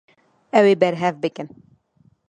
Ew ê berhev bikin.